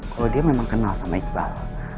kalau dia memang kenal sama iqbal